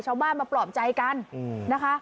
ชาวบ้านมาปลอบใจกันนะคะ